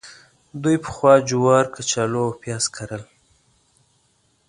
دوی پخوا جوار، کچالو او پیاز کرل.